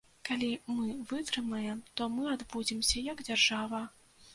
Калі мы вытрымаем, то мы адбудземся як дзяржава.